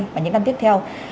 và những năm tiếp theo